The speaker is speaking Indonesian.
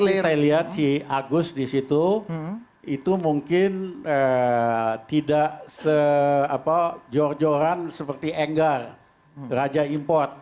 kalau saya lihat si agus di situ itu mungkin tidak se jor joran seperti enggar raja import